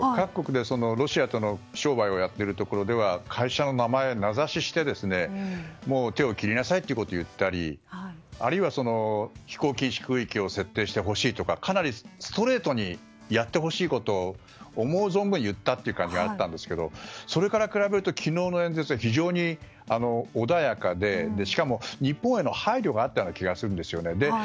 各国ではロシアとの商売をやっているところでは会社の名前を名指しして手を切りなさいということを言ったりあるいは、飛行禁止空域を設定してほしいとかかなりストレートにやってほしいことを思う存分言ったという感じがあったんですけどもそれから比べると昨日の演説は非常に穏やかでしかも日本への配慮があったような気がするんですよね。